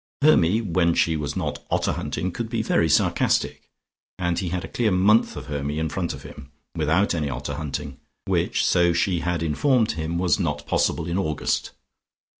Hermy, when she was not otter hunting, could be very sarcastic, and he had a clear month of Hermy in front of him, without any otter hunting, which, so she had informed him, was not possible in August.